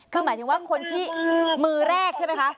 คือหมายถึงว่าคนที่มือแรกใช่ไหมคะ